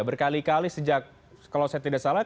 berkali kali sejak kalau saya tidak salah